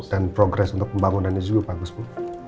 dan progres untuk pembangunannya juga bagus bu